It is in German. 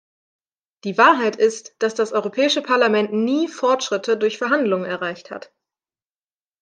Die Wahrheit ist, dass das Europäische Parlament nie Fortschritte durch Verhandlungen erreicht hat.